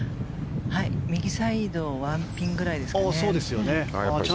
右サイド１ピンぐらいです。